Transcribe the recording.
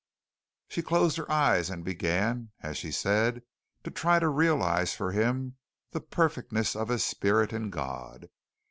She closed her eyes and began, as she said, to try to realize for him the perfectness of his spirit in God.